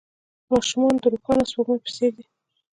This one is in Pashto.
ماشومان د روښانه سپوږمۍ په څېر دي.